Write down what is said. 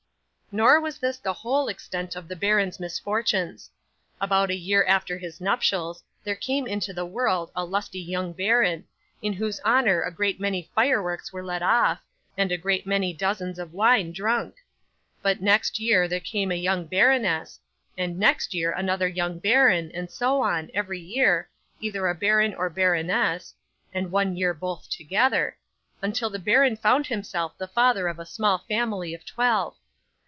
'Nor was this the whole extent of the baron's misfortunes. About a year after his nuptials, there came into the world a lusty young baron, in whose honour a great many fireworks were let off, and a great many dozens of wine drunk; but next year there came a young baroness, and next year another young baron, and so on, every year, either a baron or baroness (and one year both together), until the baron found himself the father of a small family of twelve.